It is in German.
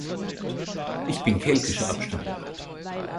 Ich bin keltischer Abstammung.